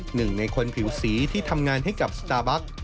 หนึ่งในคนผิวสีที่ทำงานให้กับสตาร์บัค